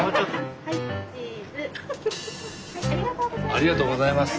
ありがとうございます。